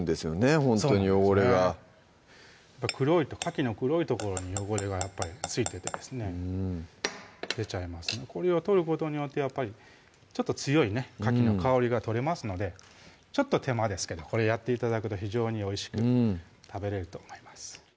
ほんとに汚れがかきの黒い所に汚れがやっぱり付いててですね出ちゃいますのでこれを取ることによってやっぱりちょっと強いねかきの香りが取れますのでちょっと手間ですけどこれやって頂くと非常においしく食べれると思います